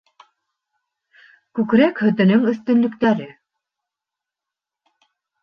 Күкрәк һөтөнөң өҫтөнлөктәре: